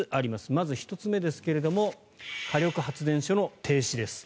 まず１つ目ですけれども火力発電所の停止です。